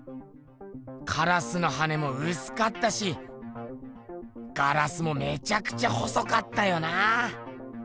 カラスの羽もうすかったしガラスもめちゃくちゃ細かったよな。